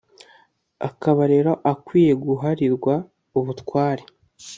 akaba rero akwiye guharirwa ubutware.